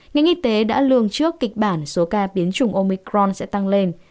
ngành y tế đã lường trước kịch bản số ca biến chủng omicron sẽ tăng lên